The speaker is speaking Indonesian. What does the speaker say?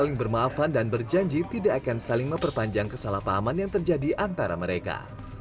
saling bermaafan dan berjanji tidak akan saling memperpanjang kesalahpahaman yang terjadi antara mereka